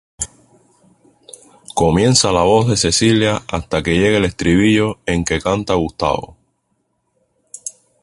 Comienza la voz de Cecilia, hasta que llega el estribillo en que canta Gustavo.